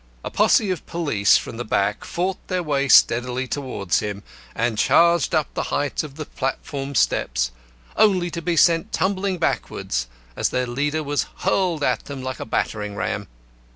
A posse of police from the back fought their way steadily towards him, and charged up the heights of the platform steps, only to be sent tumbling backwards, as their leader was hurled at them like a battering ram.